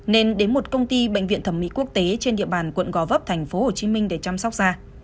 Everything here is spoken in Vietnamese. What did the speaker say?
nên đến một công ty bệnh viện thẩm mỹ quốc tế trên địa bàn quận gò vấp tp hcm để chăm sóc da